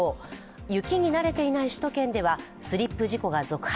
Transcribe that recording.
雪に慣れていない首都圏ではスリップ事故が続発。